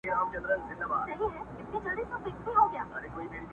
مور ځان په بېلابېلو نومونو کي ويني او خپل هويت له لاسه ورکوي